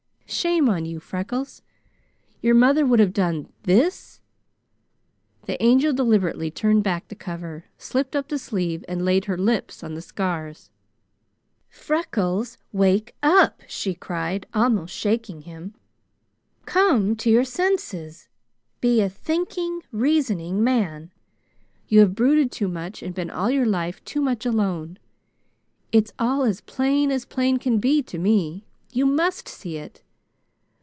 Shame on you, Freckles! Your mother would have done this " The Angel deliberately turned back the cover, slipped up the sleeve, and laid her lips on the scars. "Freckles! Wake up!" she cried, almost shaking him. "Come to your senses! Be a thinking, reasoning man! You have brooded too much, and been all your life too much alone. It's all as plain as plain can be to me. You must see it!